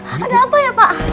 ada apa ya pak